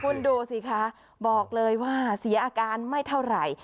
คุณดูสิคะบอกเลยว่าเสียอาการไม่เท่าไหร่